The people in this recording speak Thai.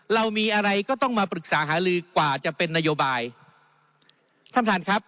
เรามีอะไรก็ต้องมาปรึกษาหาลือกว่าจะเป็นนโยบายท่านท่านครับ